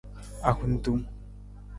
Ahuntung.